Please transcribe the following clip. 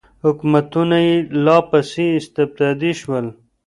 حکومتونه یې لا پسې استبدادي شول.